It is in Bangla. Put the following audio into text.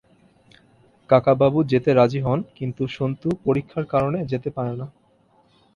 কাকাবাবু যেতে রাজি হন কিন্তু সন্তু পরীক্ষার কারণে যেতে পারেনা।